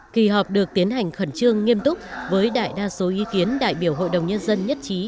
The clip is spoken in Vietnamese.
kỳ họp được tiến hành khẩn trương nghiêm túc với đại đa số ý kiến đại biểu hội đồng nhân dân nhất trí